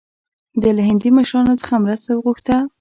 ده له هندي مشرانو څخه مرسته وغوښته.